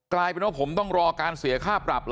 กลายเป็นว่าผมต้องรอการเสียค่าปรับ